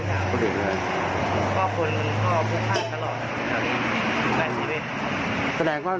คนอื่นเลยครับพ่อคนมันชอบผู้ฆ่าตลอดครับครับนี่แบตซิวิต